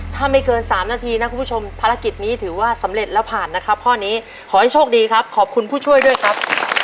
ถ้าไม่เกิน๓นาทีนะคุณผู้ชมภารกิจนี้ถือว่าสำเร็จแล้วผ่านนะครับข้อนี้ขอให้โชคดีครับขอบคุณผู้ช่วยด้วยครับ